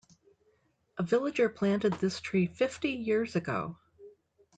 A villager planted this tree fifty years ago.